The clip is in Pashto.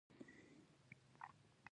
ملک صاحب یوه تخته ځمکه لوبیا کرلې ده.